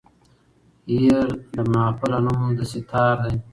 هېر له محفله نوم د سیتار دی